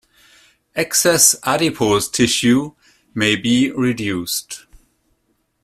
Excess adipose tissue may be reduced.